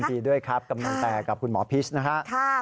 ดีด้วยครับกำลังแตกกับคุณหมอพิชนะครับ